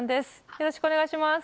よろしくお願いします。